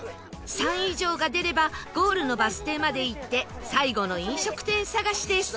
「３」以上が出ればゴールのバス停まで行って最後の飲食店探しです